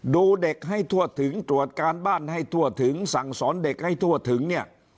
ดูเด็กให้ทั่วถึงตรวจการบ้านให้ทั่วถึงสั่งสอนเด็กให้ทั่วถึงเนี่ย